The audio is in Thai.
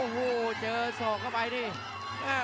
หัวจิตหัวใจแก่เกินร้อยครับ